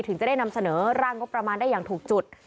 ถึงจะได้นำเสนอร่างงบประมาณได้อย่างถูกจุด